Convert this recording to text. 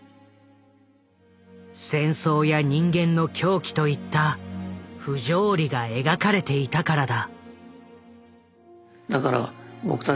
戦争や人間の狂気といった不条理が描かれていたからだ。